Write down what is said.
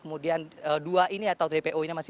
kemudian dua ini atau dpo ini masih di dalam rumah